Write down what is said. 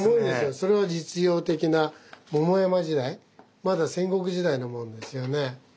それは実用的な桃山時代まだ戦国時代のものですよね。